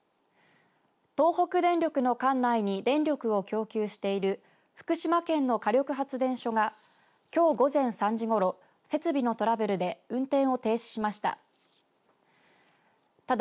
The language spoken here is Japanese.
東北電力の管内に電力を供給している福島県の火力発電所がきょう午前３時ごろ設備のトラブルで運転を停止しました。